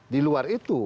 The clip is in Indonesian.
di luar itu